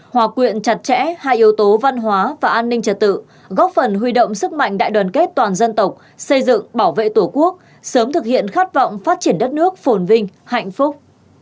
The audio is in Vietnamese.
hòa quyện chặt chẽ hai yếu tố văn hóa và an ninh trật tự góp phần huy động sức mạnh đại đoàn kết toàn dân tộc xây dựng bảo vệ tổ quốc sớm thực hiện khát vọng phát triển đất nước phồn vinh hạnh phúc